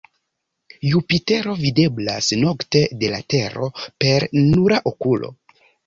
Jupitero videblas nokte de la Tero per nura okulo.